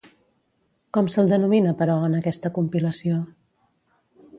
Com se'l denomina, però, en aquesta compilació?